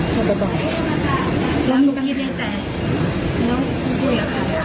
เวลาบ่อยแล้วมีกันไหม